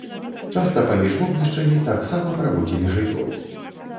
Часта паміж вогнішчамі таксама праводзілі жывёлу.